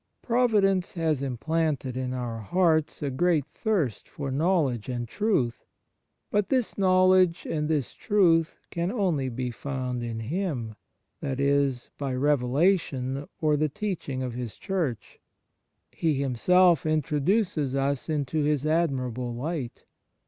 Providence has implanted in our hearts a great thirst for knowledge and truth, but this knowledge and this truth can only be found in Him that is by revelation, or the teaching of His Church. He Him self introduces us into His admirable light.